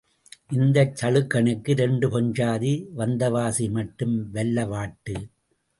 இந்தச் சளுக்கனுக்கு இரண்டு பெண்சாதி வந்தவாசி மட்டும் வல்ல வாட்டு.